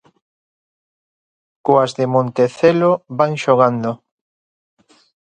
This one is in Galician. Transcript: Coas de Montecelo van xogando.